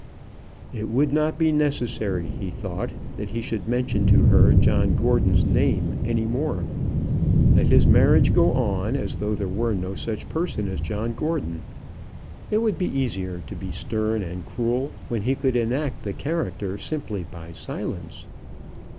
It would not be necessary, he thought, that he should mention to her John Gordon's name any more. Let his marriage go on, as though there were no such person as John Gordon. It would be easier to be stern and cruel when he could enact the character simply by silence.